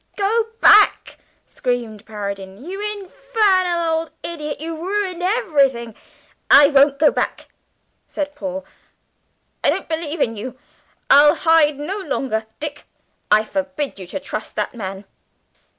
"Go back!" screamed Paradine. "You infernal old idiot, you've ruined everything!" "I won't go back," said Paul, "I don't believe in you. I'll hide no longer. Dick, I forbid you to trust that man."